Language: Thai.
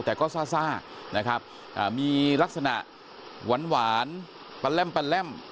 แต่ก็ซ่าซ่านะครับอ่ามีลักษณะหวานหวานปันแรมปันแรม